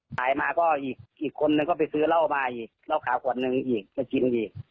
ขายมาก็อีกคนนึงก็ไปซื้อเหล้ามาอีกเหล้าขาวขวดนึงอีกก็กินอีก